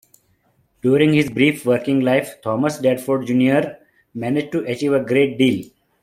During his brief working life Thomas Dadford Junior managed to achieve a great deal.